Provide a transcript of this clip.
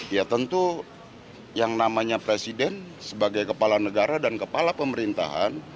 ya tentu yang namanya presiden sebagai kepala negara dan kepala pemerintahan